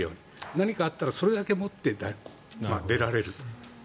何かあったらそれを持って出られるという。